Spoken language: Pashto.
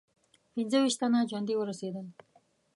پنځه ویشت تنه ژوندي ورسېدل.